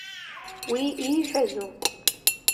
Уи ииҳәазу?